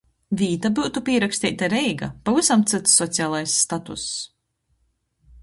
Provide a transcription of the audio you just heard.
Vīta byutu pīraksteita Reiga. Pavysam cyts socialais statuss!